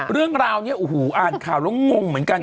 เรื่องราวนี้โอ้โหอ่านข่าวแล้วงงเหมือนกัน